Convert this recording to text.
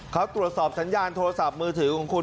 เขาตรวจสอบสัญญาณโทรศัพท์มือถือของคุณ